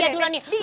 ya duluan nih